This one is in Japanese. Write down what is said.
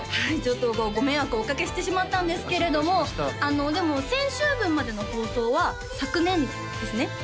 はいちょっとご迷惑をおかけしてしまったんですけれどでも先週分までの放送は昨年ですね